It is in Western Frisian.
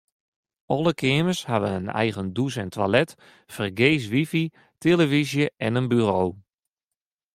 Alle keamers hawwe in eigen dûs en toilet, fergees wifi, tillefyzje en in buro.